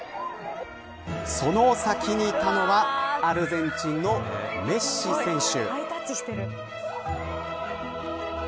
その先にいたのはアルゼンチンのメッシ選手。